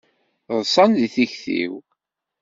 Ḍsan deg tikti-w.